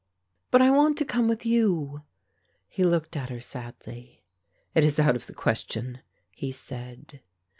"But I want to come with you." He looked at her sadly; "It is out of the question," he said.